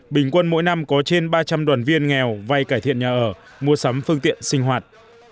bình quân mỗi năm có trên ba trăm linh đoàn viên nghèo vay cải thiện nhà ở mua sắm phương tiện sinh hoạt